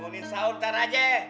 ngomongin sahur ntar aja